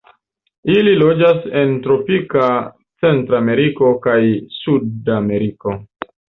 Ili loĝas en tropika Centrameriko kaj Sudameriko.